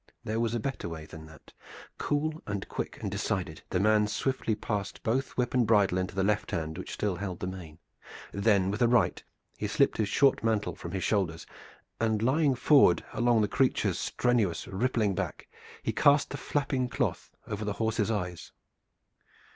There was a better way than that. Cool, quick and decided, the man swiftly passed both whip and bridle into the left hand which still held the mane. Then with the right he slipped his short mantle from his shoulders and lying forward along the creature's strenuous, rippling back he cast the flapping cloth over the horse's eyes.